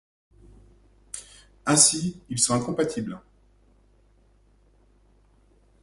Ainsi, ils sont incompatibles.